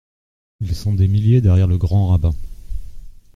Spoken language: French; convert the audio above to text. Ils sont des milliers derrière le grand rabbin…